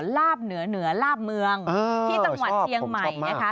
ลาบเหนือเหนือลาบเมืองที่จังหวัดเชียงใหม่นะคะ